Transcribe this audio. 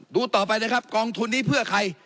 ดูต่อไปนะครับกองทุนนี้เพื่อใคร